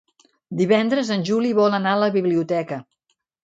Divendres en Juli vol anar a la biblioteca.